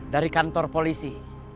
dari kantor polisi